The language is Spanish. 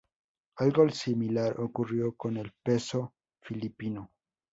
Algo similar ocurrió con el peso filipino.